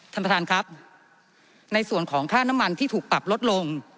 ท่านประธานครับในส่วนของค่าน้ำมันที่ถูกปรับลดลง